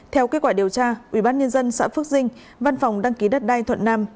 theo kết quả điều tra ubnd xã phước dinh văn phòng đăng ký đất đai thuận nam